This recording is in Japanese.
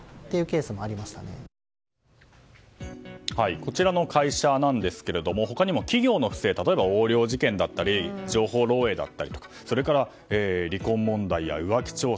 こちらの会社なんですが他にも企業の不正例えば、横領事件だったり情報漏洩だったりそれから離婚問題や浮気調査